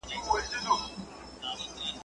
انسان د خطا خالي نه دئ.